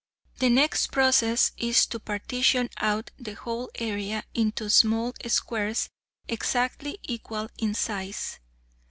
The next process is to partition out the whole area into small squares exactly equal in size.